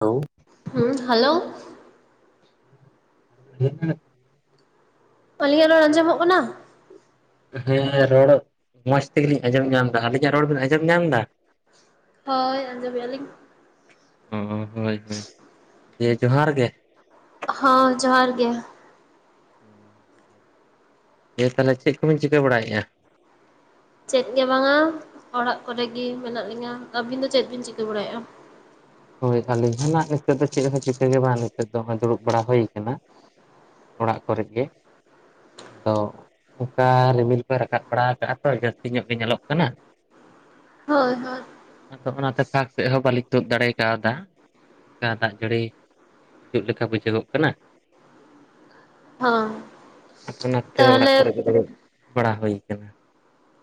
Hello. ᱦᱩᱸ, hello. [unintelligible] ᱟᱹᱞᱤᱧᱟᱜ ᱨᱚᱲ ᱟᱸᱡᱚᱢᱚᱜ ᱠᱟᱱᱟ? ᱦᱮᱸ ᱨᱚᱲ ᱢᱚᱸᱡᱽ ᱛᱮᱜᱮ ᱞᱤᱧ ᱟᱸᱡᱚᱢ ᱧᱟᱢ ᱮᱫᱟ ᱾ ᱟᱹᱞᱤᱧᱟᱜ ᱨᱚᱲ ᱵᱤᱱ ᱟᱸᱡᱚᱢ ᱧᱟᱢ ᱮᱫᱟ? ᱦᱳᱭᱻ ᱟᱸᱡᱚᱢ ᱮᱜ ᱞᱤᱧ᱾ ᱚ ᱦᱳᱭ, ᱦᱳᱭ ᱫᱤᱭᱮ ᱡᱚᱦᱟᱨ ᱜᱮ᱾ ᱦᱚᱸ ᱡᱚᱦᱟᱨ ᱜᱮ᱾ ᱦᱩᱸ᱾ ᱤᱭᱟᱹ ᱛᱟᱦᱚᱞᱮ ᱪᱮᱫ ᱠᱚᱵᱤᱱ ᱪᱤᱠᱟᱹ ᱵᱟᱲᱟᱭᱮᱫᱼᱟ? ᱪᱮᱫ ᱜᱮ ᱵᱟᱝᱟ ᱚᱲᱟᱜ ᱠᱚᱨᱮᱜᱤ ᱢᱮᱱᱟᱜ ᱞᱤᱧᱟ᱾ ᱟᱹᱵᱤᱱ ᱫᱚ ᱪᱮᱫ ᱵᱤᱱ ᱪᱤᱠᱟᱹ ᱵᱟᱲᱟᱭᱮᱫᱼᱟ? ᱦᱳᱭ ᱟᱹᱞᱤᱧ ᱦᱚ ᱱᱟᱜ ᱱᱤᱛᱚᱜ ᱫᱚ ᱪᱮᱫ ᱦᱚ ᱪᱤᱠᱟᱹ ᱜᱮ ᱵᱟᱝᱼᱟ, ᱥᱮᱫ ᱫᱚ ᱫᱩᱲᱩᱵ ᱵᱟᱲᱟ ᱦᱩᱭ ᱠᱟᱱᱟ ᱚᱲᱟᱜ ᱠᱚᱨᱮ ᱜᱮ᱾ ᱟᱫᱚ ᱚᱱᱠᱟ ᱨᱤᱢᱤᱞ ᱠᱚ ᱨᱟᱠᱟᱵ ᱵᱟᱲᱟ ᱠᱟᱜᱼᱟ ᱛᱚ ᱡᱟᱹᱥᱛᱤ ᱧᱚᱜ ᱜᱮ ᱧᱮᱞᱚᱜ ᱠᱟᱱᱟ᱾ ᱦᱳᱭ ᱦᱳᱭ᱾ ᱟᱫᱚ ᱚᱱᱟᱛᱮ ᱯᱷᱟᱸᱠ ᱥᱮᱫ ᱦᱚᱸ ᱵᱟᱞᱤ ᱛᱩᱫ ᱫᱟᱲᱮᱭᱟᱫᱟ ᱠᱟᱣᱫᱟ ᱚᱱᱠᱟ ᱫᱟᱜ ᱡᱟᱹᱲᱤ ᱦᱤᱡᱩᱜ ᱞᱮᱠᱟ ᱵᱩᱡᱷᱟᱹᱜᱚᱜ ᱠᱟᱱᱟ᱾ ᱦᱚᱸ ᱟᱫᱚ ᱚᱱᱟᱛᱮ ᱚᱲᱟᱜ ᱛᱟᱦᱚᱞᱮ ᱠᱚᱨᱮ ᱜᱮ ᱫᱩᱲᱩᱵ ᱵᱟᱲᱟ ᱦᱳᱭ ᱠᱟᱱᱟ᱾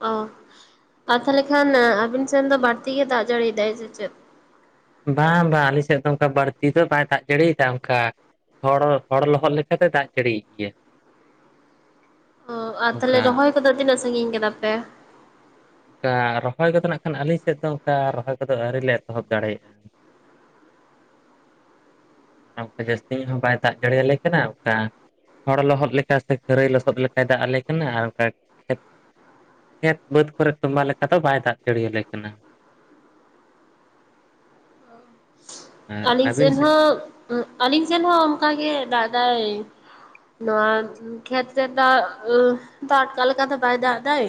ᱚ ᱟᱨ ᱛᱟᱦᱚᱞᱮ ᱠᱷᱟᱱ ᱟᱵᱤᱱ ᱥᱮᱱ ᱫᱚ ᱵᱟᱹᱲᱛᱤ ᱜᱮ ᱫᱟᱜ ᱡᱟᱹᱲᱤᱭ ᱫᱟᱭ ᱥᱮ ᱪᱮᱫ? ᱵᱟᱝ ᱵᱟᱝ ᱟᱞᱤᱧ ᱥᱮᱫ ᱫᱚ ᱚᱱᱠᱟ ᱵᱟᱹᱲᱛᱤ ᱫᱚ ᱵᱟᱭ ᱫᱟᱜ ᱡᱟᱹᱲᱤᱭᱮᱫᱟ ᱚᱱᱠᱟ ᱦᱚᱲ ᱦᱚᱲ ᱞᱚᱦᱚᱫ ᱞᱮᱠᱟᱛᱮ ᱫᱟᱜ ᱡᱟᱹᱲᱤᱭᱮᱫ ᱜᱮᱭᱟ᱾ ᱚ ᱟᱨ ᱛᱟᱦᱞᱮ ᱚᱱᱠᱟ ᱨᱚᱦᱚᱭ ᱠᱚᱫᱚ ᱛᱤᱱᱟᱹᱜ ᱥᱟᱺᱜᱤᱧ ᱠᱮᱫᱟ ᱯᱮ‌? ᱚᱱᱠᱟ ᱨᱚᱦᱚᱭ ᱠᱚᱫᱚ ᱱᱟᱜ ᱠᱷᱟᱱ ᱟᱹᱞᱤᱧ ᱥᱮᱫ ᱫᱚ ᱚᱱᱠᱟ ᱨᱚᱦᱚᱭ ᱠᱚᱫᱚ ᱟᱹᱣᱨᱤ ᱞᱮ ᱮᱛᱚᱦᱚᱵ ᱫᱟᱲᱮᱭᱟᱜᱼᱟ᱾ ᱚᱱᱠᱟ ᱡᱟᱹᱥᱛᱤ ᱦᱚᱸ ᱵᱟᱭ ᱫᱟᱜ ᱡᱟᱹᱲᱤᱭ ᱟᱞᱮ ᱠᱟᱱᱟ ᱚᱱᱠᱟ ᱦᱚᱲ ᱞᱚᱦᱚᱫ ᱞᱮᱠᱟ ᱥᱮ ᱠᱷᱟᱹᱨᱟᱹᱭ ᱞᱚᱥᱚᱫ ᱞᱮᱠᱟᱭ ᱫᱟᱜ ᱟᱞᱮ ᱠᱟᱱᱟ ᱟᱨ ᱚᱱᱠᱟ ᱠᱷᱮᱛ ᱠᱷᱮᱛ ᱵᱟᱹᱫᱽ ᱠᱚᱨᱮ ᱛᱚᱸᱵᱟ ᱞᱮᱠᱟ ᱫᱚ ᱵᱟᱭ ᱫᱟᱜ ᱡᱟᱹᱲᱤ ᱟᱞᱮ ᱠᱟᱱᱟ᱾ [unintelligible] ᱟᱨ ᱟᱹᱞᱤᱧ ᱟᱹᱵᱤᱱ ᱥᱮᱱ ᱥᱮᱫ ᱦᱚᱸ ᱟᱹᱞᱤᱧ ᱥᱮᱱ ᱦᱚᱸ ᱚᱱᱠᱟᱜᱮ ᱫᱟᱜ ᱫᱟᱭ ᱾ ᱱᱚᱣᱟ ᱠᱷᱮᱛ ᱨᱮ ᱫᱟᱜ, ᱫᱟᱜ ᱠᱟᱜ ᱞᱮᱠᱟ ᱫᱚ ᱵᱟᱭ ᱫᱟᱜ ᱫᱟᱭ᱾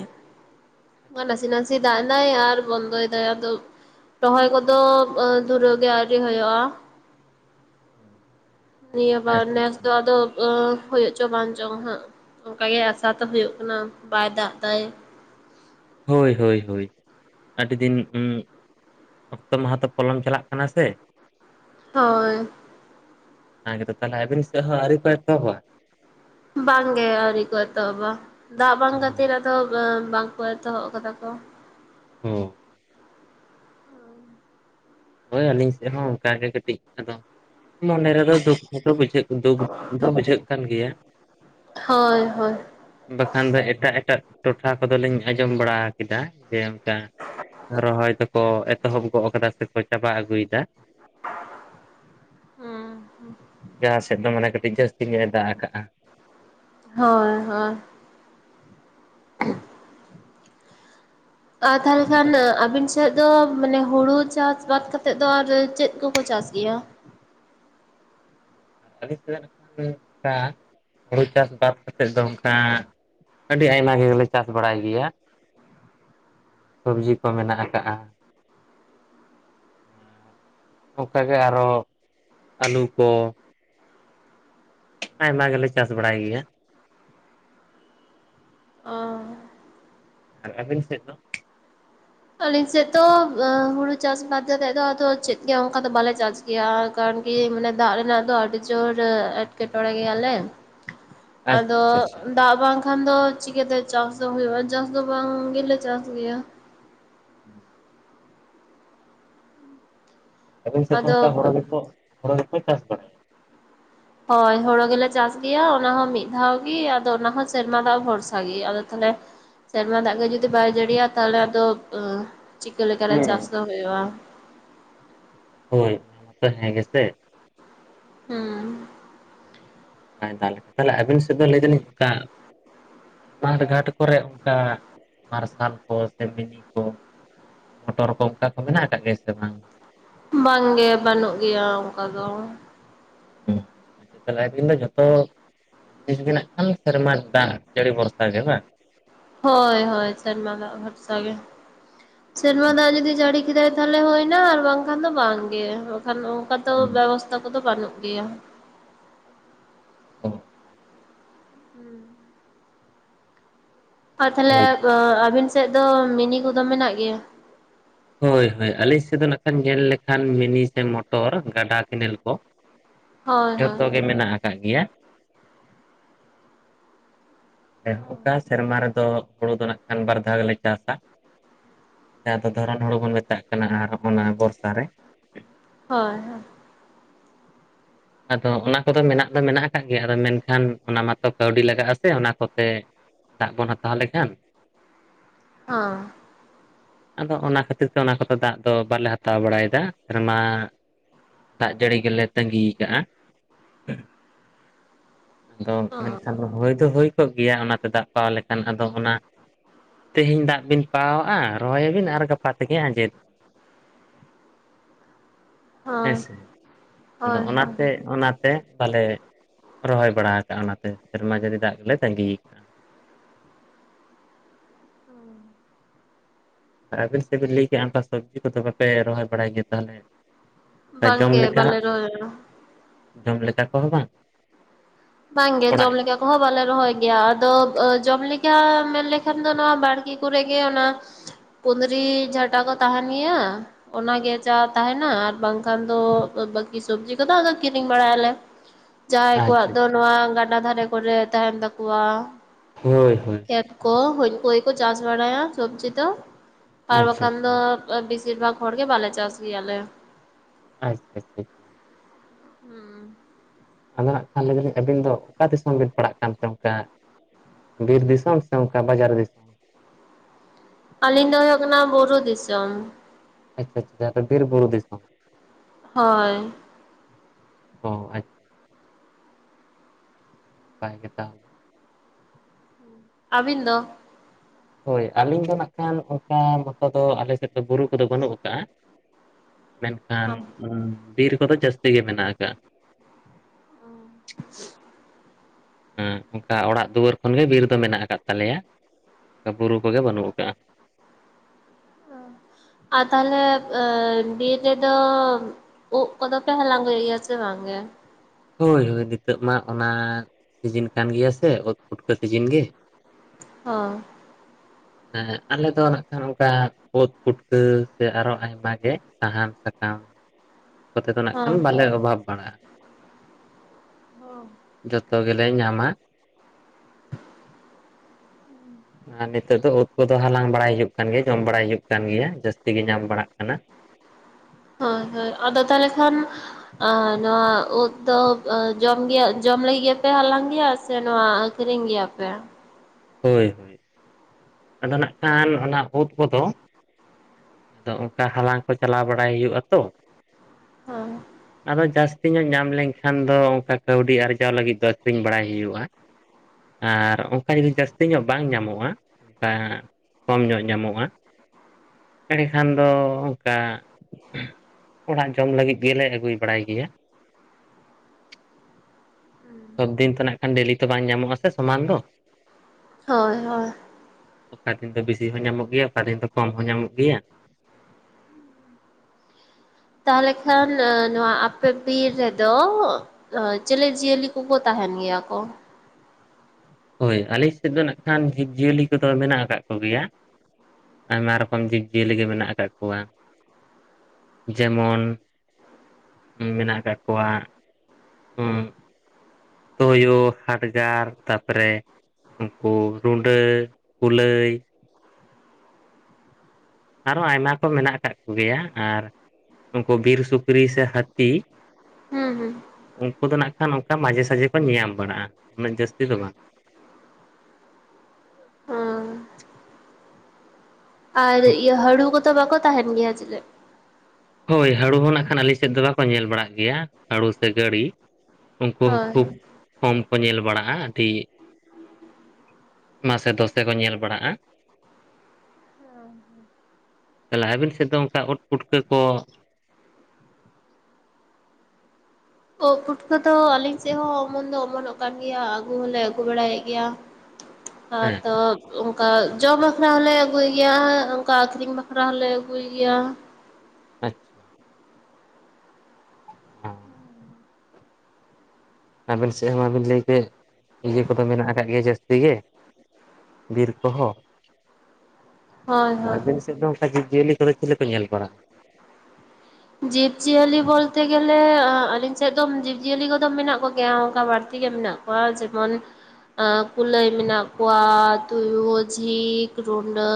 ᱟᱪᱪᱷᱟ ᱱᱟᱥᱮ ᱱᱟᱥᱮ ᱫᱟᱜ ᱫᱟᱭ ᱟᱨ ᱵᱚᱱᱫᱚᱭ ᱮᱫᱟᱭ ᱟᱫᱚ ᱨᱚᱦᱚᱭ ᱠᱚᱫᱚ ᱮ ᱫᱷᱩᱨᱟᱹᱣ ᱜᱮ ᱟᱹᱣᱨᱤ ᱦᱩᱭᱩᱜᱼᱟ ᱾ [unintelligible] ᱱᱤᱭᱟᱹ ᱵᱟᱨ ᱱᱮᱥ ᱟᱪᱪᱷᱟ ᱫᱚ ᱟᱫᱚ ᱚᱸ ᱦᱩᱭᱩᱜ ᱪᱚ ᱵᱟᱝ ᱪᱚᱝ ᱦᱟᱸᱜ ᱚᱱᱠᱟ ᱜᱮ ᱟᱥᱟ ᱛᱚ ᱦᱩᱭᱩᱜ ᱠᱟᱱᱟ ᱵᱟᱭ ᱫᱟᱜ ᱫᱟᱭ ᱾ ᱦᱳᱭ ᱦᱳᱭ ᱦᱳᱭ ᱟᱹᱰᱤ ᱫᱤᱱ ᱩᱸᱜ ᱚᱠᱛᱚ ᱢᱟᱦᱟ ᱛᱚ ᱯᱚᱞᱚᱢ ᱪᱟᱞᱟᱜ ᱠᱟᱱᱟ ᱥᱮ ᱦᱳᱭ ᱾ ᱟᱱᱟ ᱜᱮᱛᱚ ᱛᱟᱦᱚᱞᱮ ᱟᱵᱤᱱ ᱥᱮᱜ ᱦᱚᱸ ᱟᱹᱣᱨᱤ ᱠᱚ ᱮᱛᱚᱦᱚᱵ-ᱟ? ᱵᱟᱝᱜᱮ, ᱟᱹᱣᱨᱤ ᱠᱚ ᱮᱛᱚᱷᱚᱵ-ᱟ᱾ ᱫᱟᱜ ᱵᱟᱝ ᱠᱷᱟᱹᱛᱤᱨ ᱟᱫᱚ ᱵᱟᱝᱠᱚ ᱮᱛᱚᱦᱚᱵ ᱟᱠᱟ ᱫᱟ ᱠᱚ᱾ [inaudible] ᱦᱳᱭ ᱟᱹᱞᱤᱧ ᱥᱮᱜ ᱦᱚᱸ ᱚᱱᱠᱟ ᱜᱮ ᱠᱟᱹᱴᱤᱡ ᱟᱫᱚ ᱢᱚᱱᱮ ᱨᱮᱫᱚ ᱫᱩᱠᱷ ᱦᱚᱸᱛᱚ ᱵᱩᱡᱷᱟᱹᱜ, ᱫᱩᱠ ᱫᱚ ᱵᱩᱡᱷᱟᱹᱜ ᱠᱟᱱ ᱜᱮᱭᱟ ᱾ ᱦᱳᱭ ᱦᱳᱭ ᱾ ᱵᱟᱠᱷᱟᱱ ᱫᱚ ᱮᱴᱟᱜ ᱮᱴᱟᱜ ᱴᱚᱴᱷᱟ ᱠᱚᱫᱚ ᱞᱤᱧ ᱟᱸᱡᱚᱢ ᱵᱟᱲᱟ ᱠᱮᱫᱟ ᱡᱮ ᱮᱸ ᱨᱚᱦᱚᱭ ᱫᱚᱠᱚ ᱮᱛᱚᱦᱚᱵ ᱜᱚᱜ ᱠᱟᱫᱟ ᱥᱮᱠᱚ ᱪᱟᱵᱟ ᱟᱹᱜᱩᱭᱮᱫᱟ ᱾ ᱡᱟᱦᱟᱸ ᱥᱮᱫ ᱫᱚ ᱢᱟᱱᱮ ᱠᱟᱹᱴᱤᱡ ᱡᱟᱹᱥ ᱡᱟᱹᱥᱛᱤ ᱧᱜ ᱮ ᱫᱟᱜ ᱟᱠᱟᱜᱼᱟ? ᱦᱳᱭ ᱦᱳᱭ᱾ [unintelligible] ᱟᱨ ᱛᱟᱦᱚᱞᱮ ᱠᱷᱟᱱ ᱟᱸ ᱟᱹᱵᱤᱱ [unintelligible] ᱫᱚ ᱢᱟᱱᱮ ᱦᱩᱲᱩ ᱪᱟᱥ ᱵᱟᱫ ᱠᱟᱛᱮᱫ ᱫᱚ ᱟᱨ ᱪᱮᱫ ᱠᱚᱠᱚ ᱪᱟᱥ ᱜᱮᱭᱟ? ᱟᱹᱞᱤᱧ [unintelligible] ᱠᱷᱟᱱ ᱚᱱᱠᱟ, ᱦᱩᱲᱩ ᱪᱟᱥ ᱵᱟᱫ ᱠᱟᱛᱮᱫ ᱫᱚ ᱚᱱᱠᱟ ᱟᱹᱰᱤ ᱟᱭᱢᱟ ᱜᱮᱞᱮ ᱪᱟᱥ ᱵᱟᱲᱟᱭ ᱜᱮᱭᱟ ᱾ ᱥᱚᱵᱽᱡᱤ ᱠᱚ ᱢᱮᱱᱟᱜ ᱟᱠᱟᱜᱼᱟ᱾ ᱚᱱᱠᱟᱜᱮ ᱟᱨᱚ ᱟᱹᱞᱩ ᱠᱚ ᱟᱭᱢᱟ ᱜᱮᱞᱮ ᱪᱟᱥ ᱵᱟᱲᱟᱭ ᱜᱮᱭᱟ᱾ ᱚᱸ ᱟᱨ ᱟᱵᱮᱱ ᱥᱮᱫ ᱫᱚ ᱟᱞᱤᱧ ᱥᱮᱫ ᱫᱚ, ᱮᱸ ᱦᱩᱲᱩ ᱪᱟᱥ ᱵᱟᱫᱮ [unintelligible] ᱫᱚ ᱟᱫᱚ ᱪᱮᱫ ᱜᱮ ᱚᱱᱠᱟ ᱫᱚ ᱵᱟᱞᱮ ᱪᱟᱥ ᱜᱮᱭᱟ, ᱠᱟᱨᱚᱱ ᱠᱤ ᱢᱟᱱᱮ ᱫᱟᱜ ᱨᱮᱱᱟᱜ ᱫᱚ ᱟᱹᱰᱤ ᱡᱳᱨ ᱮᱸᱴᱠᱮᱴᱚᱲᱮ ᱜᱮᱭᱟᱞᱮ᱾ [inaudible] ᱟᱫᱚ ᱟᱪᱪᱷᱟ ᱟᱪᱪᱷᱟ ᱩᱸ ᱫᱟᱜ ᱵᱟᱝᱠᱷᱟᱱ ᱫᱚ ᱪᱤᱠᱟᱹᱛᱮ ᱪᱟᱥ ᱫᱚ ᱦᱩᱭᱩᱜᱼᱟ ᱪᱟᱥ ᱫᱚ ᱵᱟᱝ ᱜᱮᱞᱮ ᱪᱟᱥ ᱜᱮᱭᱟ᱾ ᱟᱵᱤᱱ ᱥᱮᱫ ᱫᱚ ᱟᱫᱚ ᱚᱱᱠᱟ ᱦᱳᱲᱳ ᱜᱮᱠᱚ, ᱦᱳᱲᱳ ᱜᱮ ᱠᱚ ᱪᱟᱥ ᱵᱟᱲᱟᱭᱟ᱾ ᱦᱳᱭ, ᱦᱳᱲᱳ ᱜᱮᱞᱮ ᱪᱟᱥ ᱜᱮᱭᱟ ᱚᱱᱟ ᱦᱚᱸ ᱢᱤᱫ ᱫᱷᱟᱣ ᱜᱮ ᱟᱫᱚ ᱚᱱᱟ ᱦᱚᱸ ᱥᱮᱨᱢᱟ ᱫᱟᱜ ᱵᱷᱚᱨᱥᱟ ᱜᱮ ᱟᱫᱚ ᱛᱟᱦᱞᱮ ᱥᱮᱨᱢᱟ ᱫᱟᱜ ᱜᱮ ᱡᱩᱫᱤ ᱵᱟᱭ ᱡᱟᱹᱲᱤᱭᱤᱭᱟ ᱛᱟᱦᱞᱮ ᱟᱫᱚ ᱟᱸ ᱪᱤᱠᱟᱹᱞᱮᱠᱟ ᱨᱮ ᱪᱟᱥ ᱦᱩᱸ ᱫᱚ ᱦᱩᱭᱩᱜᱼᱟ? ᱦᱳᱭ, [inaudible] ᱦᱮᱸ ᱜᱮᱥᱮ᱾ ᱦᱩᱸ [unintelligible] ᱛᱟᱦᱞᱮ ᱟᱹᱵᱤᱱ ᱥᱮᱫ ᱫᱚ ᱞᱟᱹᱭ ᱫᱟᱞᱤᱧ ᱚᱱᱠᱟ ᱢᱟᱴᱷ-ᱜᱷᱟᱴ ᱠᱚᱨᱮ ᱚᱱᱠᱟ ᱢᱟᱨᱥᱟᱞ ᱠᱚ ᱥᱮ ᱢᱤᱱᱤ ᱠᱚ ᱢᱚᱴᱚᱨ ᱠᱚ ᱚᱱᱠᱟ ᱠᱚ ᱢᱮᱱᱟᱜ ᱟᱠᱟᱫ ᱜᱮᱭᱟ ᱥᱮ ᱵᱟᱝ? ᱵᱟᱝ ᱜᱮ ᱵᱟᱹᱱᱩᱜ ᱜᱮᱭᱟ ᱚᱱᱠᱟ ᱫᱚ᱾ ᱦᱩᱸ ᱟᱪᱪᱷᱟ ᱛᱟᱷᱞᱮ ᱟᱵᱤᱱ ᱫᱚ ᱡᱷᱚᱛᱚ [unintelligible] ᱢᱮᱱᱟᱜ ᱠᱷᱟᱱ ᱥᱮᱨᱢᱟ ᱫᱟᱜ-ᱡᱟᱹᱲᱤ ᱵᱷᱚᱨᱥᱟ ᱜᱮ ᱵᱟᱝ? ᱦᱳᱭ ᱦᱳᱭ, ᱥᱮᱨᱢᱟ ᱫᱟᱜ ᱵᱷᱚᱨᱥᱟ ᱜᱮ᱾ ᱥᱮᱨᱢᱟ ᱫᱟᱜ ᱡᱩᱫᱤ ᱡᱟᱹᱲᱤ [unintelligible] ᱛᱟᱦᱞᱮ ᱦᱩᱭ ᱮᱱᱟ ᱟᱨ ᱵᱟᱝᱠᱷᱟᱱ ᱫᱚ ᱵᱟᱝ ᱜᱮ᱾ ᱵᱟᱠᱷᱟᱱ ᱚᱱᱠᱟ ᱫᱚ ᱵᱮᱵᱚᱥᱛᱷᱟ ᱠᱚᱫᱚ ᱵᱟᱹᱱᱩᱜ ᱜᱮᱭᱟ᱾ ᱦᱩᱸ ᱟᱨ ᱛᱟᱦᱚᱞᱮ ᱦᱳᱭ ᱟᱵᱤᱱ ᱥᱮᱫ ᱫᱚ ᱢᱤᱱᱤ ᱠᱚᱫᱚ ᱢᱮᱱᱟᱜ ᱜᱮᱭᱟ ᱾ ᱦᱳᱭ ᱦᱳᱭ ᱟᱹᱞᱤᱧ ᱥᱮᱫᱚ ᱠᱷᱟᱱ ᱧᱮᱞ ᱞᱮᱠᱷᱟᱱ ᱢᱤᱱᱤ ᱥᱮ ᱢᱚᱴᱚᱨ ᱜᱟᱰᱟ ᱠᱮᱱᱮᱞ ᱠᱚ ᱾ ᱦᱳᱭ ᱦᱳᱭ᱾ ᱡᱷᱚᱛᱚ ᱜᱮ ᱢᱮᱱᱟᱜ ᱟᱠᱟᱫᱽ ᱜᱮᱭᱟ᱾ ᱚᱠᱟ ᱥᱮᱨᱢᱟ ᱨᱮᱫᱚ ᱦᱳᱲᱳ ᱫᱚ ᱱᱟᱜ ᱠᱷᱟᱱ ᱵᱟᱨ ᱫᱷᱟᱣ ᱜᱮᱞᱮ ᱪᱟᱥᱟ ᱾ ᱡᱟᱦᱟᱸ ᱫᱚ ᱫᱷᱚᱨᱚᱱ ᱦᱳᱲᱳ ᱵᱚᱱ ᱢᱮᱛᱟᱜ ᱠᱟᱱᱟ ᱟᱨ ᱦᱚᱜ ᱚ ᱱᱟ ᱵᱚᱨᱥᱟ ᱨᱮ ᱾ ᱦᱳᱭ ᱦᱳᱭ ᱾ ᱟᱫᱚ ᱚᱱᱟ ᱠᱚᱫᱚ ᱢᱮᱱᱟᱜ ᱫᱚ ᱢᱮᱱᱟᱜ ᱟᱠᱟᱫ ᱜᱮᱭᱟ ᱟᱫᱚ ᱢᱮᱱᱠᱷᱟᱱ ᱚᱱᱟ ᱢᱟᱛᱚ ᱠᱟᱹᱣᱰᱤ ᱞᱟᱜᱟᱜᱼᱟ ᱥᱮ ᱚᱱᱟ ᱠᱚᱛᱮ ᱾ ᱫᱟᱜ ᱵᱚᱱ ᱦᱟᱛᱟᱣ ᱞᱮᱠᱷᱟᱱ ᱾ ᱦᱳᱭ ᱾ ᱟᱫᱚ ᱚᱱᱟ ᱠᱷᱟᱹᱛᱤᱨ ᱛᱮ ᱚᱱᱟ ᱠᱚᱫᱚ ᱫᱟᱜ ᱫᱚ ᱵᱟᱞᱮ ᱦᱟᱛᱟᱣ ᱵᱟᱲᱟᱭ ᱫᱟ ᱥᱮᱨᱢᱟ ᱾ ᱫᱟᱜ ᱡᱟᱹᱲᱤ ᱜᱮᱞᱮ ᱛᱟᱺᱜᱤ ᱾ ᱠᱟᱜ ᱟ ᱛᱚ ᱢᱮᱱᱠᱷᱟᱱ ᱫᱚ ᱦᱳᱭ ᱫᱚ ᱦᱳᱭ ᱾ ᱠᱚᱜ ᱜᱮᱭᱟ ᱚᱱᱟᱛᱮ ᱫᱟᱜ ᱯᱟᱣᱟᱳ ᱞᱮᱠᱷᱟᱱ ᱟᱫᱚ ᱚᱱᱟ ᱾ ᱛᱮᱦᱮᱧ ᱫᱟᱜ ᱵᱤᱱ ᱯᱟᱣᱟᱳ ᱟᱜ ᱟ ᱨᱚᱦᱚᱭᱟᱵᱤᱱ ᱟᱨ ᱜᱟᱯᱟ ᱛᱮᱜᱮ ᱟᱸᱡᱮᱫ ᱾ ᱦᱚᱸ ᱦᱳᱭ ᱦᱮᱸᱥᱮ ᱟᱫᱚ ᱦᱳᱭ ᱚᱱᱟ ᱦᱳᱭ᱾ ᱾ ᱚᱱᱟᱛᱮ ᱵᱟᱞᱮ ᱨᱚᱦᱚᱭ ᱵᱟᱲᱟ ᱠᱟᱜᱼᱟ ᱚᱱᱟᱛᱮ ᱥᱮᱨᱢᱟ ᱡᱟᱹᱨᱤ ᱫᱟᱜ ᱜᱮᱞᱮ ᱛᱟᱺᱜᱤ ᱾ ᱟᱵᱮᱱ ᱥᱮᱫ ᱵᱮᱱ ᱞᱟᱹᱭ ᱠᱮᱜᱼᱟ ᱚᱱᱠᱟ ᱥᱚᱵᱽᱡᱤ ᱠᱚᱫᱚ ᱵᱟᱯᱮ ᱨᱚᱦᱚᱭ ᱵᱟᱲᱟᱭ ᱜᱮᱭᱟ ᱛᱟᱦᱚᱞᱮ ᱾ ᱡᱚᱢ ᱵᱟᱝᱜᱮ ᱞᱮᱠᱟ ᱵᱟᱞᱮ ᱨᱚᱦᱚᱭᱟ᱾ ᱡᱚᱢ ᱞᱮᱠᱟ ᱠᱚᱦᱚᱸ ᱵᱟᱝ ᱾ ᱵᱟᱝᱜᱮ ᱡᱚᱢ ᱞᱮᱠᱟ ᱠᱚ ᱾ ᱦᱚᱸ ᱵᱟᱞᱮ ᱨᱚᱦᱚᱭ ᱜᱮᱭᱟ ᱟᱫᱚ ᱡᱚᱢ ᱞᱮᱠᱟ ᱢᱮᱱᱞᱠᱷᱟᱱ ᱫᱚ ᱱᱚᱣᱟ ᱵᱟᱲᱜᱮ ᱠᱚᱨᱮᱜᱮ ᱚᱱᱟ ᱾ ᱠᱩᱸᱫᱽᱨᱤ ᱡᱷᱟᱴᱟ ᱠᱚ ᱛᱟᱦᱮᱱᱜᱮᱭᱟ ᱾ ᱚᱱᱟᱜᱮ ᱡᱟᱣ ᱛᱟᱸᱦᱮᱱᱟ ᱟᱨ ᱵᱟᱝᱠᱷᱟᱱ ᱫᱚ ᱵᱟᱹᱠᱤ ᱥᱚᱵᱡᱤ ᱠᱚᱫᱚ ᱟᱫᱚ ᱠᱤᱨᱤᱧ ᱵᱟᱲᱟᱭᱟᱞᱮ᱾ [inaudible] ᱡᱟᱸᱦᱟᱸᱭ ᱠᱚᱣᱟᱜ ᱟᱪᱪᱷᱟ ᱫᱚ ᱟᱪᱪᱷᱟ ᱱᱚᱣᱟ ᱜᱟᱰᱟ ᱫᱷᱟᱨᱮ ᱠᱚᱨᱮ ᱛᱟᱸᱦᱮᱱ ᱛᱟᱠᱚᱣᱟ᱾ ᱦᱳᱭ ᱦᱳᱭ᱾ ᱠᱷᱮᱛ ᱠᱚ ᱦᱳᱭ ᱩᱝᱠᱩ ᱜᱮᱠᱚ ᱪᱟᱥ ᱵᱟᱲᱟᱭᱟ ᱥᱚᱵᱡᱤ ᱫᱚ ᱟᱨ ᱟᱪᱪᱷᱟ ᱵᱟᱠᱷᱟᱱ ᱟᱪᱪᱷᱟ ᱫᱚ ᱵᱮᱥᱤᱨ ᱵᱷᱟᱜᱽ ᱦᱚᱲ ᱜᱮ ᱵᱟᱞᱮ ᱪᱟᱥ ᱜᱮᱭᱟᱞᱮ᱾ ᱟᱪᱪᱷᱟ ᱪᱷᱟ᱾ ᱦᱩᱸ᱾ ᱟᱫᱚ ᱱᱟᱜ ᱠᱷᱟᱱ ᱞᱟᱹᱭᱫᱟᱞᱤᱧ ᱟᱹᱵᱤᱱ ᱫᱚ ᱚᱠᱟ ᱫᱤᱥᱚᱢ ᱵᱤᱱ ᱯᱟᱲᱟᱜ ᱠᱟᱱᱛᱮ ᱚᱝᱠᱟ? ᱵᱤᱨ ᱫᱤᱥᱚᱢ ᱥᱮ ᱚᱝᱠᱟ ᱵᱟᱡᱟᱨ ᱫᱤᱥᱚᱢ? ᱟᱹᱞᱤᱧ ᱫᱚ ᱦᱩᱭᱩᱜ ᱠᱟᱱᱟ ᱵᱩᱨᱩ ᱫᱤᱥᱚᱢ᱾ ᱟᱪᱪᱷᱟ ᱟᱪᱪᱷᱟ ᱛᱟᱦᱞᱮ ᱵᱤᱨ ᱵᱩᱨᱩ ᱫᱤᱥᱚᱢ᱾ ᱦᱳᱭ᱾ ᱚ, ᱟᱡ᱾ ᱱᱟᱯᱟᱭ ᱜᱮ ᱛᱟᱦᱚᱞᱮ᱾ ᱟᱹᱵᱤᱱ ᱫᱚ? ᱦᱳᱭ, ᱟᱹᱞᱤᱧ ᱫᱚ ᱱᱟᱜ ᱠᱷᱟᱱ ᱚᱱᱠᱟ ᱢᱚᱛᱚ ᱫᱚ ᱟᱞᱮ ᱥᱮᱫ ᱫᱚ ᱵᱩᱨᱩ ᱠᱚᱫᱚ ᱵᱟᱹᱱᱩᱜ ᱠᱟᱜ-ᱟ᱾ ᱢᱮᱱᱠᱷᱟᱱ ᱩᱸ ᱵᱤᱨ ᱠᱚᱫᱚ ᱡᱟᱹᱥᱛᱤ ᱜᱮ ᱢᱮᱱᱟᱜ ᱠᱟᱜ-ᱟ᱾ [inaudible] ᱩᱸᱜ, ᱚᱝᱠᱟ ᱚᱲᱟᱜ ᱫᱩᱣᱟᱹᱨ ᱠᱷᱚᱱᱜᱮ ᱵᱤᱨ ᱫᱚ ᱢᱮᱱᱟᱜ ᱟᱠᱟᱫ ᱛᱟᱞᱮᱭᱟ, ᱵᱩᱨᱩ ᱠᱚᱫᱚ ᱵᱟᱹᱱᱩᱜ ᱠᱟᱜ-ᱟ᱾ ᱚ, ᱟᱨ ᱛᱟᱦᱞᱮ ᱵᱤᱨ ᱨᱮᱫᱚ ᱩᱜ ᱠᱚᱫᱚ ᱯᱮ ᱦᱟᱞᱟᱝ ᱟᱞᱮᱭᱟ ᱥᱮ ᱵᱟᱝ ᱜᱮ? ᱦᱳᱭ ᱦᱳᱭ ᱱᱤᱛᱟᱹᱜ ᱢᱟ ᱚᱱᱟ ᱥᱤᱡᱤᱱ ᱠᱟᱱᱜᱮᱭᱟ ᱥᱮ ᱳᱜᱽ ᱯᱷᱩᱴᱠᱟᱹ ᱯᱨᱛᱤᱫᱤᱱ ᱜᱮ᱾ ᱦᱳᱭ᱾ ᱮᱸᱦᱮᱸᱜ, ᱟᱞᱮ ᱫᱚ ᱱᱟᱜ ᱠᱷᱟᱱ ᱚᱱᱠᱟ ᱳᱫᱽ ᱯᱩᱴᱠᱟᱹ ᱥᱮ ᱟᱨᱚ ᱟᱭᱢᱟ ᱜᱮ ᱥᱟᱦᱟᱱ ᱥᱟᱠᱟᱢ ᱠᱚᱛᱮ ᱫᱚ ᱱᱟᱜ ᱠᱷᱟᱱ ᱦᱚᱸ ᱵᱟᱞᱮ ᱚᱵᱷᱟᱵᱽ ᱵᱟᱲᱟᱜ-ᱟ᱾ ᱦᱚ᱾ ᱡᱚᱛᱚ ᱜᱮᱞᱮ ᱧᱟᱢᱟ᱾ ᱟᱨ ᱱᱤᱛᱤᱜ ᱫᱚ ᱩᱫ ᱠᱚᱫᱚ ᱦᱟᱞᱟᱝ ᱵᱟᱲᱟᱭ ᱦᱩᱭᱩᱜ ᱠᱟᱱ ᱜᱮᱭᱟ, ᱡᱚᱢ ᱵᱟᱲᱟᱭ ᱦᱩᱭᱩᱜ ᱠᱟᱱ ᱜᱮᱭᱟ ᱡᱟᱹᱥᱛᱤ ᱜᱮ ᱧᱟᱢ ᱵᱟᱲᱟᱜ ᱠᱟᱱᱟ᱾ ᱦᱳᱭ ᱦᱳᱭ ᱟᱫᱚ ᱛᱟᱦᱞᱮ ᱠᱷᱟᱱ ᱟᱨ ᱱᱚᱣᱟ ᱩᱫ ᱫᱚ ᱡᱚᱢ ᱜᱮᱭᱟ ᱡᱚᱢ ᱞᱟᱹᱜᱤᱫ ᱜᱮᱯᱮ ᱦᱟᱞᱟᱝ ᱜᱮᱭᱟ ᱥᱮ ᱱᱚᱣᱟ ᱟᱠᱷᱤᱨᱤᱧ ᱜᱮᱭᱟᱯᱮ? ᱦᱳᱭ᱾ ᱦᱳᱭ ᱟᱫᱚ ᱱᱟᱜ ᱠᱷᱟᱱ ᱚᱱᱟ ᱩᱫ ᱠᱚᱫᱚ ᱟᱫᱚ ᱚᱱᱠᱟ ᱦᱟᱞᱟᱝ ᱠᱚ ᱪᱟᱞᱟᱣ ᱵᱟᱲᱟᱭ ᱦᱩᱭᱩᱜ-ᱟ ᱛᱚ᱾ ᱦᱳᱭ᱾ ᱟᱫᱚ ᱡᱟᱹᱥᱛᱤ ᱧᱚᱜ ᱧᱟᱢ ᱞᱮᱱᱠᱷᱟᱱ ᱫᱚ ᱚᱝᱠᱟ ᱠᱟᱹᱣᱰᱤ ᱟᱨᱡᱟᱣ ᱞᱟᱹᱜᱤᱫ ᱫᱚ ᱟᱹᱠᱷᱨᱤᱧ ᱵᱟᱲᱟᱭ ᱦᱩᱭᱩᱜ-ᱟ᱾ ᱟᱨ ᱚᱝᱠᱟ ᱡᱩᱫᱤ ᱡᱟᱹᱥᱛᱤ ᱧᱚᱜ ᱵᱟᱝ ᱧᱟᱢᱚᱜ-ᱟ ᱚᱱᱠᱟ ᱠᱚᱢ ᱧᱚᱜ ᱧᱟᱢᱚᱜ-ᱟ᱾ ᱮᱸᱰᱮᱠᱷᱟᱱ ᱫᱚ ᱚᱝᱠᱟ ᱚᱲᱟᱜ ᱡᱚᱢ ᱞᱟᱹᱜᱤᱫ ᱜᱮᱞᱮ ᱟᱹᱜᱩ ᱵᱟᱲᱟᱭ ᱜᱮᱭᱟ᱾ ᱥᱚᱵᱫᱤᱱ ᱛᱚ ᱱᱟᱜ ᱠᱷᱟᱱ ᱰᱮᱞᱤ ᱛᱚ ᱵᱟᱝ ᱧᱟᱢᱚᱜ-ᱟ ᱥᱮ ᱥᱚᱢᱟᱱ ᱫᱚ᱾ ᱦᱳᱭ ᱦᱳᱭ᱾ ᱚᱠᱟ ᱫᱤᱱ ᱫᱚ ᱵᱤᱥᱤ ᱦᱚᱸ ᱧᱟᱢᱚᱜ ᱜᱮᱭᱟ, ᱚᱠᱟ ᱫᱤᱱ ᱫᱚ ᱠᱚᱢ ᱦᱚᱸ ᱧᱟᱢᱚᱜ ᱜᱮᱭᱟ᱾ ᱛᱟᱦᱚᱞᱮ ᱠᱷᱟᱱ ᱮᱸ ᱱᱚᱣᱟ ᱟᱯᱮ ᱵᱤᱨ ᱨᱮᱫᱚ [unintelligible] ᱪᱮᱞᱮ ᱡᱤᱭᱟᱹᱞᱤ ᱠᱚᱠᱚ ᱛᱟᱦᱮᱱ ᱜᱮᱭᱟ ᱠᱚ? ᱦᱳᱭ ᱟᱞᱮ ᱥᱮᱫ ᱫᱚ ᱱᱟᱜ ᱠᱷᱟᱱ ᱡᱤᱵᱽ ᱡᱤᱭᱟᱹᱞᱤ ᱠᱚᱫᱚ ᱢᱮᱱᱟᱜ ᱠᱟᱜ ᱠᱚᱜᱮᱭᱟ ᱟᱭᱢᱟ ᱨᱚᱠᱚᱢ ᱡᱤᱵᱽ ᱡᱤᱭᱟᱹᱞᱤ ᱜᱮ ᱢᱮᱱᱟᱜ ᱠᱟᱜ ᱠᱚᱣᱟ᱾ ᱡᱮᱢᱚᱱ ᱦᱩᱸ ᱢᱮᱱᱟᱜ ᱠᱟᱜ ᱠᱚᱣᱟ ᱦᱩᱸ ᱛᱩᱭᱳ, ᱦᱟᱰᱜᱟᱨ ᱛᱟᱯᱚᱨᱮ ᱩᱱᱠᱩ ᱨᱩᱰᱟᱹ, ᱠᱩᱞᱟᱹᱭ ᱟᱨᱚ ᱟᱭᱢᱟ ᱠᱚ ᱢᱮᱱᱟᱜ ᱠᱟᱜ ᱠᱚᱜᱮᱭᱟ ᱟᱨ ᱩᱱᱠᱩ ᱵᱤᱨ ᱥᱩᱠᱨᱤ ᱥᱮ ᱦᱟᱹᱛᱤ ᱦᱩᱸ ᱦᱩᱸ ᱩᱱᱠᱩ ᱫᱚ ᱱᱟᱜ ᱠᱷᱟᱱ ᱚᱱᱠᱟ ᱢᱟᱡᱷᱮ ᱥᱟᱡᱷᱮ ᱠᱚ ᱧᱟᱢ ᱵᱟᱲᱟᱜᱼᱟ, ᱩᱱᱟᱹᱜ ᱡᱟᱹᱥᱛᱤ ᱫᱚ ᱵᱟᱝ᱾ ᱚ ᱟᱨ ᱤᱭᱟᱹ ᱦᱟᱲᱩ ᱠᱚᱫᱚ ᱵᱟᱠᱚ ᱛᱟᱦᱮᱱ ᱜᱮᱭᱟ ᱪᱮᱞᱮᱫ? ᱦᱳᱭ ᱦᱟᱹᱲᱩ ᱦᱚᱸ ᱱᱟᱦ ᱠᱷᱟᱱ ᱟᱹᱞᱤᱧ ᱥᱮᱫ ᱫᱚ ᱵᱟᱠᱚ ᱧᱮᱞ ᱵᱟᱲᱟ ᱜᱮᱭᱟ ᱦᱟᱹᱲᱩ ᱥᱮ ᱜᱟᱹᱲᱤ ᱩᱱᱠᱩ ᱦᱚᱸ ᱦᱳᱭ ᱦᱳᱭ ᱠᱷᱩᱵ ᱠᱚᱢ ᱠᱚ ᱧᱮᱞ ᱵᱟᱲᱟᱜᱼᱟ ᱟᱹᱰᱤ ᱢᱟᱥᱮ ᱫᱚᱥᱮ ᱠᱚ ᱧᱮᱞ ᱵᱟᱲᱟᱜᱼᱟ᱾ [inaudible] ᱛᱟᱦᱚᱞᱮ ᱟᱹᱵᱤᱱ ᱥᱮᱫ ᱫᱚ ᱚᱱᱠᱟ ᱳᱫ ᱯᱩᱴᱠᱟᱹ ᱠᱚ ᱳᱜ ᱯᱩᱴᱠᱟᱹ ᱫᱚ ᱟᱹᱞᱤᱧ ᱥᱮᱫ ᱦᱚᱸ ᱚᱢᱚᱱ ᱫᱚ ᱚᱢᱚᱱᱚᱜ ᱠᱟᱱ ᱜᱮᱭᱟ ᱟᱹᱜᱩ ᱦᱚᱞᱮ ᱟᱹᱜᱩ ᱵᱟᱲᱟᱭᱮᱫ ᱜᱮᱭᱟ᱾ ᱦᱮᱸ ᱟᱫᱚ ᱚᱱᱠᱟ ᱡᱚᱢ ᱵᱟᱠᱷᱨᱟ ᱦᱚᱞᱮ ᱟᱹᱜᱩᱭ ᱜᱮᱭᱟ, ᱚᱱᱠᱟ ᱟᱠᱷᱨᱤᱧ ᱵᱟᱠᱷᱨᱟ ᱦᱚᱞᱮ ᱟᱹᱜᱩᱭ ᱜᱮᱭᱟ᱾ ᱟᱪᱪᱷᱟ ᱟᱵᱮᱱ ᱥᱮᱫ ᱦᱚᱸ ᱢᱟᱵᱤᱱ ᱞᱟᱹᱭ ᱠᱮᱫ ᱤᱭᱟᱹ ᱠᱚᱫᱚ ᱢᱮᱱᱟᱜ ᱟᱠᱟᱫ ᱜᱮᱭᱟ ᱡᱟᱹᱥᱛᱤ ᱜᱮ᱾ ᱵᱤᱨ ᱠᱚᱦᱚ ᱦᱳᱭ [unintelligible] ᱦᱳᱭ ᱟᱵᱮᱱ ᱥᱮᱫ ᱫᱚ ᱚᱱᱠᱟ ᱡᱤᱵᱽᱼᱡᱤᱭᱟᱹᱞᱤ ᱠᱚᱫᱚ ᱪᱤᱞᱤ ᱠᱚ ᱧᱮᱞ ᱵᱟᱲᱟᱜᱼᱟ? ᱡᱤᱵᱽ ᱡᱤᱭᱟᱹᱞᱤ ᱵᱚᱞᱛᱮ ᱜᱮᱞᱮ ᱟᱹᱞᱤᱧ ᱥᱮᱫ ᱫᱚ ᱡᱤᱵᱽ ᱡᱤᱭᱟᱹᱞᱤ ᱠᱚᱫᱚ ᱢᱮᱱᱟᱜ ᱠᱚᱜᱮᱭᱟ ᱚᱱᱠᱟ ᱵᱟᱹᱲᱛᱤ ᱜᱮ ᱢᱮᱱᱟᱜ [unintelligible] ᱡᱮᱢᱚᱱ ᱟᱸ ᱠᱩᱞᱟᱹᱭ ᱢᱮᱱᱟᱜ ᱠᱚᱣᱟ ᱛᱩᱭᱩ, ᱡᱷᱤᱠ, ᱨᱩᱸᱰᱟᱹ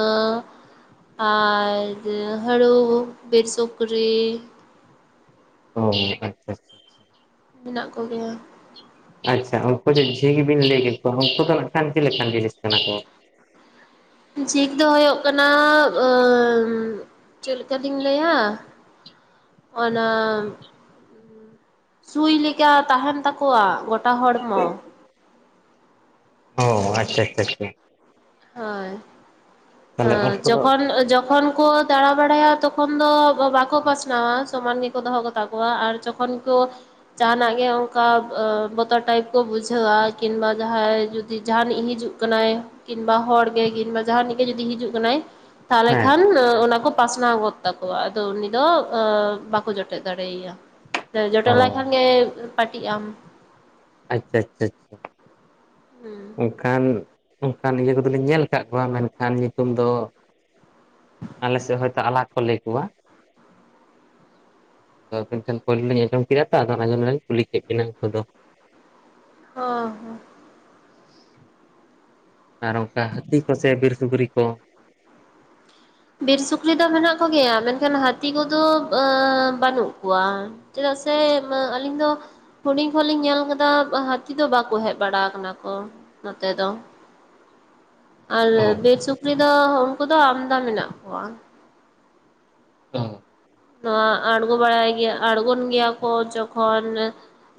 ᱟᱨ ᱦᱟᱹᱲᱩ ᱵᱤᱨ ᱥᱩᱠᱨᱤ ᱚ ᱟᱪᱪᱷᱟ ᱟᱪᱪᱷᱟ ᱢᱮᱱᱟᱜ ᱠᱚᱜᱮᱭᱟ ᱟᱪᱪᱷᱟ ᱩᱱᱠᱩ ᱡᱮ ᱡᱷᱤᱠ ᱵᱤᱱ ᱞᱟᱹᱭ ᱠᱮᱫ ᱠᱚᱣᱟ ᱩᱱᱠᱩ ᱫᱚ ᱱᱟᱜ ᱠᱷᱟᱱ ᱪᱮᱫ ᱞᱮᱠᱟᱱ ᱡᱤᱱᱤᱥ ᱠᱟᱱᱟ ᱠᱚ? ᱡᱷᱤᱠ ᱫᱚ ᱦᱳᱭᱳᱜ ᱠᱟᱱᱟ [unintelligible] ᱪᱮᱫ ᱞᱮᱠᱟᱞᱤᱧ ᱞᱟᱹᱭᱟ, ᱚᱱᱟ ᱥᱩᱭ ᱞᱮᱠᱟ ᱛᱟᱦᱮᱱ ᱛᱟᱠᱚᱣᱟ ᱜᱚᱴᱟ ᱦᱚᱲᱢᱚ ᱾ ᱚ ᱟᱪᱪᱷᱟ ᱟᱪᱪᱷᱟ ᱟᱪᱪᱷᱟ ᱦᱳᱭ ᱛᱟᱦᱚᱞᱮ ᱟᱸ ᱩᱱᱠᱩ ᱫᱚ ᱡᱚᱠᱷᱚᱱ ᱡᱚᱠᱷᱚᱱ ᱠᱚ ᱫᱟᱬᱟ ᱵᱟᱲᱟᱭᱟ ᱛᱚᱠᱷᱚᱱ ᱫᱚ ᱵᱟᱠᱚ ᱯᱟᱥᱱᱟᱣᱟ ᱥᱚᱢᱟᱱ ᱜᱮᱠᱚ ᱫᱚᱦᱚ ᱠᱟᱛᱟ ᱠᱚᱣᱟ ᱟᱨ ᱡᱚᱠᱷᱚᱱ ᱠᱚ ᱡᱟᱦᱟᱱᱟᱜ ᱜᱮ ᱚᱱᱠᱟ ᱮᱸ ᱵᱚᱛᱚᱨ ᱴᱟᱭᱤᱯ ᱠᱚ ᱵᱩᱡᱷᱟᱹᱣᱟ ᱠᱤᱱᱵᱟ ᱡᱟᱦᱟᱸᱭ ᱡᱩᱫᱤ ᱡᱟᱦᱟᱱᱤᱡ ᱦᱤᱡᱩᱜ ᱠᱟᱱᱟᱭ, ᱠᱤᱱᱵᱟ ᱦᱚᱲ ᱜᱮ ᱠᱤᱱᱵᱟ ᱡᱟᱦᱟᱱᱤᱡ ᱜᱮ ᱡᱩᱫᱤ ᱦᱤᱡᱩᱜ ᱠᱟᱱᱟᱭ ᱛᱟᱦᱚᱞᱮ ᱦᱮᱸ ᱠᱷᱟᱱ [unintelligible] ᱚᱱᱟ ᱠᱚ ᱯᱟᱥᱱᱟᱣ ᱜᱚᱫ ᱛᱟᱠᱚᱣᱟ ᱟᱫᱚ ᱩᱱᱤ ᱫᱚ [unintelligible] ᱵᱟᱠᱚ ᱡᱚᱴᱮᱫ ᱫᱟᱲᱮᱭᱮᱭᱟ ᱾ ᱚ ᱡᱚᱴᱮᱫ ᱞᱮᱭ ᱠᱷᱟᱱ ᱜᱮ ᱯᱟᱴᱤᱜ ᱟᱢ ᱾ ᱟᱪᱪᱷᱟ ᱟᱪᱷᱟ ᱪᱷᱟ᱾ [unintelligible] ᱠᱷᱟᱱ ᱚᱱᱠᱟᱱ ᱤᱭᱟᱹ ᱠᱚᱫᱚᱞᱤᱧ ᱧᱮᱞ ᱠᱟᱜ ᱠᱚᱣᱟ ᱢᱮᱱᱠᱷᱟᱱ ᱧᱩᱛᱩᱢ ᱫᱚ ᱟᱞᱮ ᱥᱮᱫ ᱦᱳᱭᱛᱚ ᱟᱞᱟᱠ ᱠᱚ ᱞᱟᱹᱭ ᱠᱚᱣᱟ᱾ ᱫᱚ ᱟᱵᱤᱱ ᱴᱷᱮᱱ ᱯᱳᱭᱞᱳ ᱞᱤᱧ ᱟᱸᱡᱚᱢ ᱠᱮᱫᱟ ᱛᱚ ᱟᱫᱚ ᱚᱱᱟ ᱡᱳᱱᱱᱳ ᱞᱤᱧ ᱠᱩᱞᱤ ᱠᱮᱫ ᱵᱤᱱᱟ᱾ [unintelligible] ᱦᱚᱸ ᱦᱚᱸ ᱟᱨ ᱚᱝᱠᱟ ᱦᱟᱹᱛᱤ ᱠᱚᱥᱮ ᱵᱤᱨ ᱥᱩᱠᱨᱤ ᱠᱚ ᱵᱤᱨ ᱥᱩᱠᱨᱤ ᱫᱚ ᱢᱮᱱᱟᱜ ᱠᱚᱜᱮᱭᱟ ᱢᱮᱱᱠᱷᱟᱱ ᱦᱟᱹᱛᱤ ᱠᱚᱫᱚ ᱵᱟᱹᱱᱩᱜ ᱠᱚᱣᱟ᱾ ᱪᱮᱫᱟᱜ ᱥᱮ ᱢᱟ ᱟᱹᱞᱤᱧ ᱫᱚ ᱦᱩᱰᱤᱧ ᱠᱷᱚᱱᱞᱤᱧ ᱧᱮᱞ ᱠᱟᱫᱟ ᱦᱟᱹᱛᱤ ᱫᱚ ᱵᱟᱠᱚ ᱦᱮᱡ ᱵᱟᱲᱟ ᱠᱟᱱᱟ ᱠᱚ ᱱᱚᱛᱮ ᱫᱚ᱾ [inaudible] ᱟᱨ ᱦᱩᱸ ᱵᱤᱨ ᱥᱩᱠᱨᱤ ᱫᱚ ᱩᱱᱠᱩ ᱫᱚ ᱟᱢᱫᱟ ᱢᱮᱱᱟᱜ ᱠᱚᱣᱟ᱾ [unintelligible] ᱱᱚᱣᱟ ᱟᱬᱜᱳ ᱵᱟᱲᱟᱭ ᱜᱮᱭᱟ ᱟᱬᱜᱳᱱ ᱜᱮᱭᱟ ᱠᱚ ᱡᱚᱠᱷᱚᱱ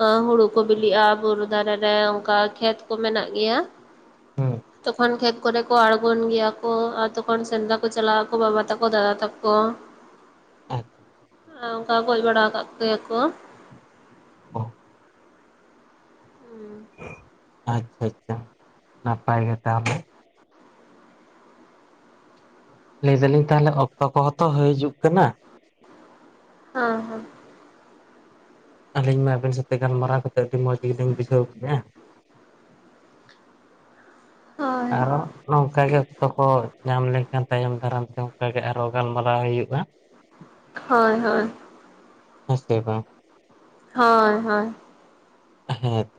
ᱟ ᱦᱩᱲᱩ ᱠᱚ ᱵᱤᱞᱤᱜ-ᱟ ᱵᱩᱨᱩ ᱫᱷᱟᱨᱮ ᱨᱮ ᱚᱝᱠᱟ ᱠᱷᱮᱛ ᱠᱚ ᱢᱮᱱᱟᱜ ᱜᱮᱭᱟ ᱦᱩᱸ ᱛᱚᱠᱷᱚᱱ ᱠᱷᱮᱛ ᱠᱚᱨᱮ ᱠᱚ ᱟᱬᱜᱳᱱ ᱜᱮᱭᱟ ᱠᱚ ᱟᱨ ᱛᱚᱠᱷᱚᱱ ᱥᱮᱱᱫᱟ ᱠᱚ ᱪᱟᱞᱟᱜ ᱟᱠᱚ ᱵᱟᱵᱟ ᱛᱟᱠᱚ ᱫᱟᱫᱟ ᱛᱟᱠᱚ᱾ ᱟᱪᱪᱷᱟ ᱟᱪᱪᱷᱟ ᱟ ᱚᱝᱠᱟ ᱜᱚᱡ ᱵᱟᱲᱟ ᱠᱟᱜ ᱠᱚᱜᱮᱭᱟᱠᱚ᱾ ᱚ ᱟᱪᱪᱷᱟ ᱟᱪᱪᱷᱟ ᱱᱟᱯᱟᱭ ᱜᱮ ᱞᱟᱦᱚᱞᱮ᱾ ᱞᱟᱹᱭ ᱫᱟᱞᱤᱧ ᱛᱟᱦᱟᱞᱮ ᱚᱠᱛᱚ ᱠᱚᱦᱚᱸ ᱛᱚ ᱦᱳᱭ ᱦᱤᱡᱩᱜ ᱠᱟᱱᱟ᱾ ᱦᱚᱸ ᱦᱚᱸ ᱟᱹᱞᱤᱧ ᱢᱟ ᱟᱵᱮᱱ ᱥᱟᱛᱮ ᱜᱟᱞᱢᱟᱨᱟᱣ ᱠᱟᱛᱮᱫ ᱟᱹᱰᱤ ᱢᱚᱸᱡᱽ ᱜᱮᱞᱤᱧ ᱵᱩᱡᱷᱟᱹᱣ ᱠᱮᱜ-ᱟ᱾ ᱟᱨᱚ ᱱᱚᱝᱠᱟ ᱜᱮ ᱚᱠᱛᱚ ᱠᱚ ᱧᱟᱢ ᱞᱮᱱᱠᱷᱟᱱ ᱛᱟᱭᱚᱢ ᱫᱟᱨᱟᱢ ᱛᱮ ᱚᱝᱠᱟ ᱜᱮ ᱟᱨᱚ ᱜᱟᱞᱢᱟᱨᱟᱣ ᱦᱩᱭᱩᱜ-ᱟ᱾ [inaudible] ᱦᱳᱭ ᱦᱳᱭ ᱦᱮᱸ ᱥᱮ ᱵᱟᱝ ᱦᱳᱭ ᱦᱳᱭ ᱦᱮᱸ ᱛᱚ